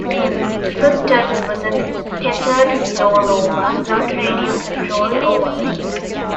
The first turtle was a tethered floor roamer, not radio-controlled or wireless.